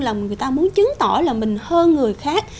là người ta muốn chứng tỏ là mình hơn người khác